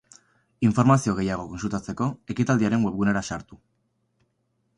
Informazio gehiago kontsultatzeko, ekitaldiaren webgunera sartu.